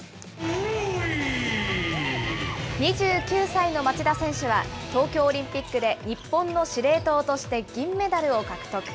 ２９歳の町田選手は、東京オリンピックで日本の司令塔として銀メダルを獲得。